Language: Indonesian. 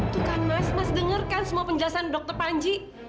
tuh kan mas mas dengarkan semua penjelasan dokter panji